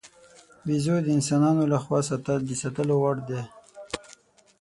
بیزو د انسانانو له خوا د ساتلو وړ دی.